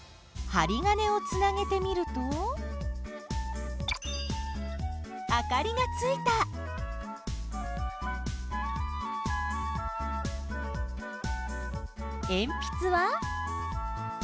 針金をつなげてみるとあかりがついた鉛筆は？